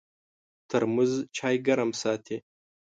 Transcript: ترموز چای ګرم ساتي.